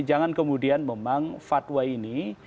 jangan kemudian memang fatwa ini